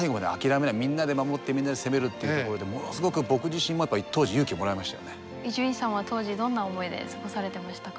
みんなで守ってみんなで攻めるっていうところでものすごく伊集院さんは当時どんな思いで過ごされてましたか？